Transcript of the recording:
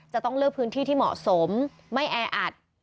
จะต้องเลือกพื้นที่ที่เหมาะสมไม่แออัด